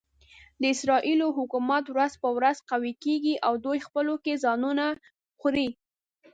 د اسرایلو حکومت ورځ په ورځ قوي کېږي او دوی خپلو کې ځانونه خوري.